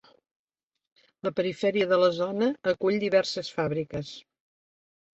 La perifèria de la zona acull diverses fàbriques.